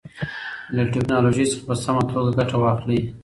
له ټیکنالوژۍ څخه په سمه توګه ګټه واخلئ.